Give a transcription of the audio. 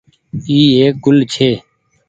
اي ايڪ گل ڇي۔